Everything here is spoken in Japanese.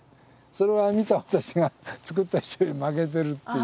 それは見た私がつくった人より負けてるっていう。